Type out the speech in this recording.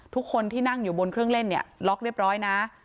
ทุกคนที่นั่งอยู่บนเครื่องเล่นเนี่ยล็อกเรียบร้อยนะ